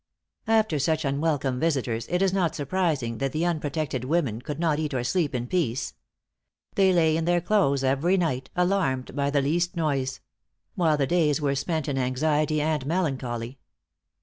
After such unwelcome visitors, it is not surprising that the unprotected women could not eat or sleep in peace. They lay in their clothes every night, alarmed by the least noise; while the days were spent in anxiety and melancholy.